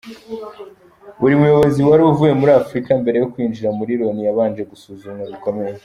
Buri muyobozi wari uvuye muri Afurika mbere yo kwinjira muri Loni yabanje gusuzumwa bikomeye.